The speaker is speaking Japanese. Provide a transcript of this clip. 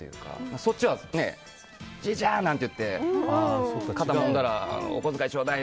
そっちはじいちゃん！なんて言って肩をもんだらお小遣いちょうだいよ！